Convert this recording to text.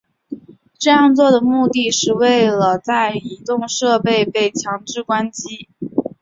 这样做的目的是为了在移动设备被强制关机。